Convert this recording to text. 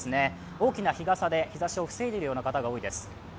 大きな日傘で日ざしを防いでいるような方が多いです。